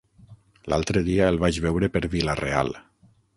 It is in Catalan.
L'altre dia el vaig veure per Vila-real.